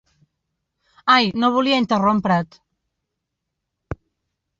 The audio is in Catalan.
Ai, no volia interrompre't!